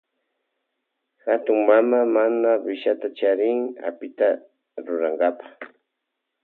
Hatun mama mamawishata charin apita rurankapa.